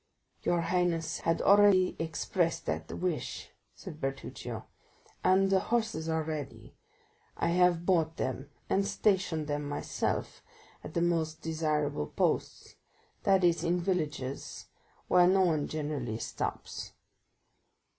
"Your highness had already expressed that wish," said Bertuccio, "and the horses are ready. I have bought them, and stationed them myself at the most desirable posts, that is, in villages, where no one generally stops."